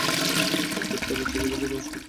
ওই কুত্তার বাচ্চাগুলোর দিন আজ খুব খারাপ কাটবে।